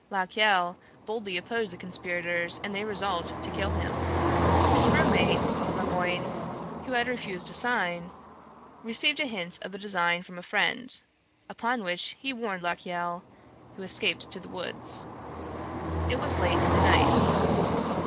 La Caille boldly opposed the conspirators, and they resolved to kill him. His room mate, Le Moyne, who had also refused to sign, received a hint of the design from a friend; upon which he warned La Caille, who escaped to the woods. It was late in the night.